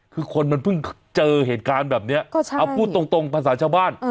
คือคนมันเพิ่งเจอเหตุการณ์แบบนี้เอาพูดตรงภาษาชาวบ้าน